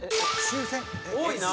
多いな。